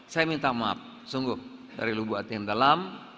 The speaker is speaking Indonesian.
saya minta maaf sungguh dari lubuat yang dalam